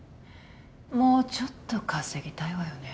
もうちょっと稼ぎたいわよね